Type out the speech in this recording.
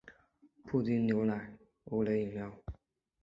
布丁牛奶欧蕾饮料